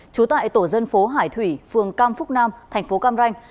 trú tại tổ dân phố hải thủy phường cam phúc nam thành phố cam ranh